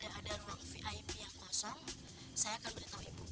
ada ruang vip yang kosong saya akan beritahu ibu